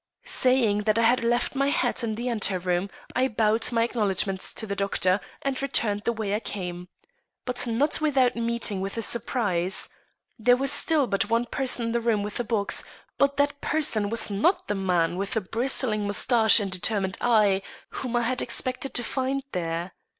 Saying that I had left my hat in the ante room, I bowed my acknowledgments to the doctor and returned the way I came. But not without meeting with a surprise. There was still but one person in the room with the box, but that person was not the man with the bristling mustache and determined eye whom I had expected to find there.